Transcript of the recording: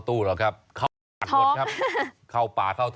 มีกลิ่นหอมกว่า